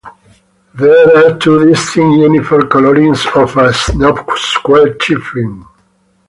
There are two distinct uniform colorings of a snub square tiling.